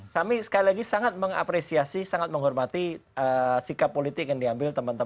kami sekali lagi sangat mengapresiasi sangat menghormati sikap politik yang diambil teman teman